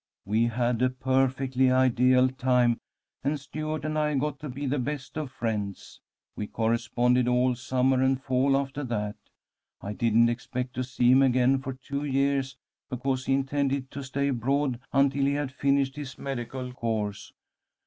We had a perfectly ideal time, and Stuart and I got to be the best of friends. We corresponded all summer and fall after that. I didn't expect to see him again for two years, because he intended to stay abroad until he had finished his medical course.